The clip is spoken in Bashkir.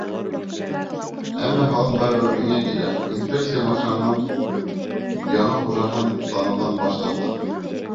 Әммә һалым барыбер миңә килә, инспекция машинаның яңы хужаһын таныуҙан баш тарта.